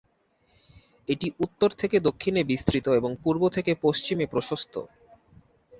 এটি উত্তর থেকে দক্ষিণে বিস্তৃত এবং পূর্ব থেকে পশ্চিমে প্রশস্ত।